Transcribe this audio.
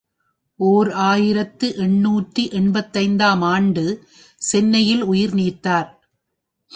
ஓர் ஆயிரத்து எண்ணூற்று எண்பத்தைந்து ஆம் ஆண்டு சென்னையில் உயிர் நீத்தார்.